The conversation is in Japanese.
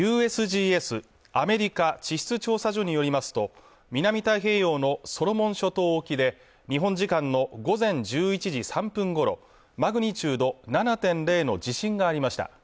ＵＳＧＳ＝アメリカ地質調査所によりますと南太平洋のソロモン諸島沖で日本時間の午前１１時３分ごろマグニチュード７．０の地震がありました